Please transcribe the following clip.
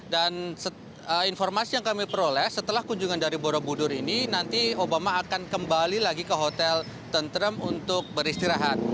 dan informasi yang kami peroleh setelah kunjungan dari borobudur ini nanti obama akan kembali lagi ke hotel tentrem untuk beristirahat